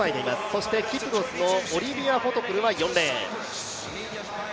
そしてキプロスのオリビア・フォトプルは４レーン。